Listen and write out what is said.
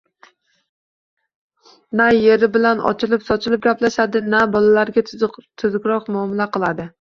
Na eri bilan ochilib-sochilib gaplashadi, na bolalariga tuzukroq muomala qiladi